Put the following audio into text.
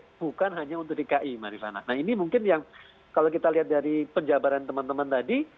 ini bukan hanya untuk dki marifana nah ini mungkin yang kalau kita lihat dari penjabaran teman teman tadi